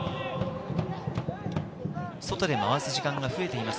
外で回す時間が増えています。